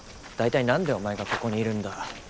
大体何でお前がここにいるんだ。